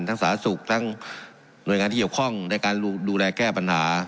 สาธารณสุขทั้งหน่วยงานที่เกี่ยวข้องในการดูแลแก้ปัญหา